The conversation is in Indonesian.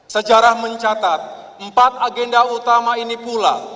sejarah mencatat empat agenda utama ini pula